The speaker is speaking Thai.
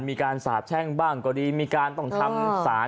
มีการสาบแช่งบ้างก็ดีมีการต้องทำสาร